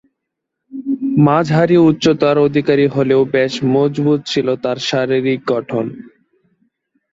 মাঝারী উচ্চতার অধিকারী হলেও বেশ মজবুত ছিল তার শারীরিক গড়ন।